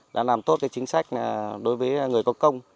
đã làm tốt chính sách đối với người có công